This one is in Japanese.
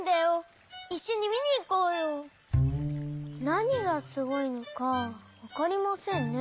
なにがすごいのかわかりませんね。